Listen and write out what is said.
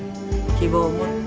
希望を持って。